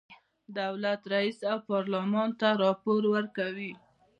دولت رئیس او پارلمان ته راپور ورکوي.